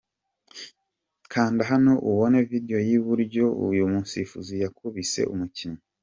Kanda hano ubone video y’uburyo uyu musifuzi yakubise umukinnyi.